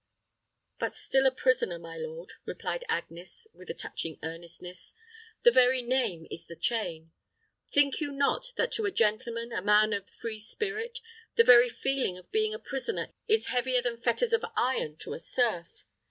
"But still a prisoner, my lord," replied Agnes, with a touching earnestness. "The very name is the chain. Think you not that to a gentleman, a man of a free spirit, the very feeling of being a prisoner is heavier than fetters of iron to a serf.